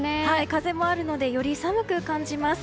風もあるのでより寒く感じます。